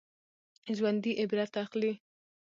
ژوندي عبرت اخلي